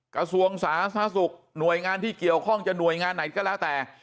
กระทรวงสาธารณสุขหน่วยงานที่เกี่ยวข้องจะหน่วยงานไหนก็แล้วแต่